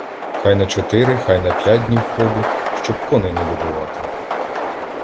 Хай на чотири, хай на п'ять днів ходу, щоб коней не добивати.